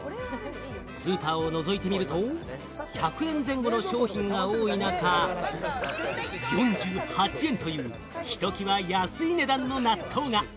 スーパーをのぞいてみると、１００円前後の商品が多い中、４８円という、ひときわ安い値段の納豆が！